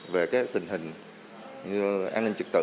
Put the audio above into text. về cái tình hình an ninh trật tự